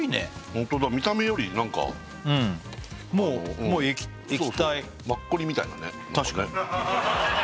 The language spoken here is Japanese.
ホントだ見た目より何かもう液体そうそうマッコリみたいなね